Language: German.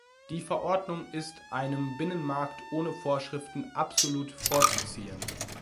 Die Verordnung ist einem Binnenmarkt ohne Vorschriften absolut vorzuziehen.